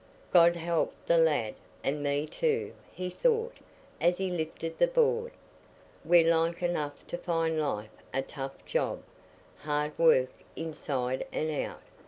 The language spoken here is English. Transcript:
"God help the lad, and me too," he thought, as he lifted the board. "We're like enough to find life a tough job—hard work inside and out.